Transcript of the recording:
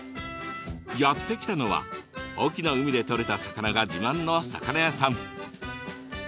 やって来たのは隠岐の海でとれた魚が自慢の魚屋さん。